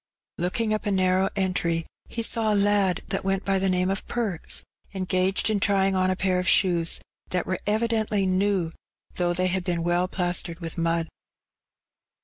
'' Looking up a narrow entry, he saw a lad that went by the name of "Perks," engaged in trying On a pair of shoes, that were evidently new, though they had been well plastered with mud.